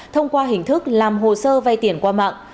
thông qua hình thức làm hồ sơ vay tiền qua mạng